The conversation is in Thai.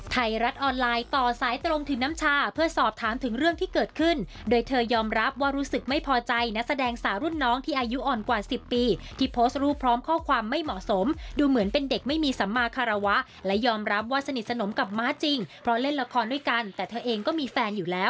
ไทยรัฐออนไลน์ต่อสายตรงถึงน้ำชาเพื่อสอบถามถึงเรื่องที่เกิดขึ้นโดยเธอยอมรับว่ารู้สึกไม่พอใจนักแสดงสาวรุ่นน้องที่อายุอ่อนกว่าสิบปีที่โพสต์รูปพร้อมข้อความไม่เหมาะสมดูเหมือนเป็นเด็กไม่มีสัมมาคารวะและยอมรับว่าสนิทสนมกับม้าจริงเพราะเล่นละครด้วยกันแต่เธอเองก็มีแฟนอยู่แล้ว